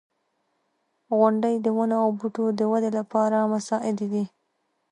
• غونډۍ د ونو او بوټو د ودې لپاره مساعدې دي.